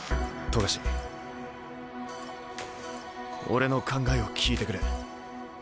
俺の考えを聞いてくれ。